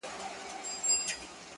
جهاني له دې وطنه یوه ورځ کډي باریږي-